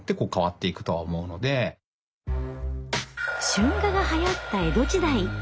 春画がはやった江戸時代。